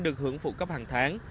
được hưởng phụ cấp hàng tháng